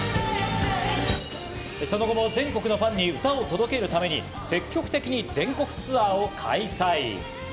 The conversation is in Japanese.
その後も全国のファンに歌を届けるために、積極的に全国ツアーを開催。